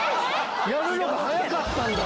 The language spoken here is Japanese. やるのが早かったんだ。